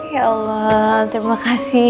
ya allah terima kasih